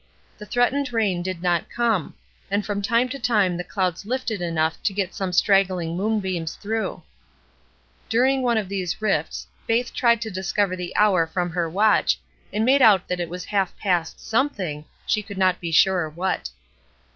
The threatened rain did not come, and from time to time the 168 ESTER RIED'S NAMESAKE clouds lifted enough to let some straggling moonbeams through. During one of these rifts Faith tried to discover the hour from her watch, and made out that it was half past something^ she could not be sure what.